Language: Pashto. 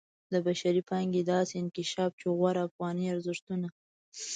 د بشري پانګې داسې انکشاف چې غوره افغاني ارزښتونو